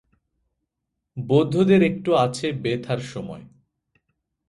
বৌদ্ধদের একটু আছে বে-থার সময়।